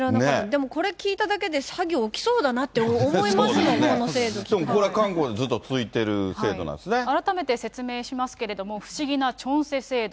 でもこれ聞いただけで、詐欺起きそうだなって思いますもの、でもこれ、韓国でずっと続い改めて説明しますけれども、不思議なチョンセ制度。